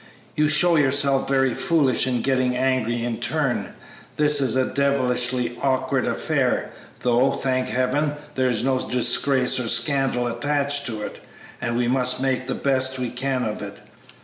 You show yourself very foolish in getting angry in turn. This is a devilishly awkward affair, though, thank heaven, there's no disgrace or scandal attached to it, and we must make the best we can of it.